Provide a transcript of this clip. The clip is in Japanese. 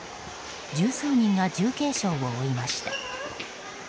十数人が重軽傷を負いました。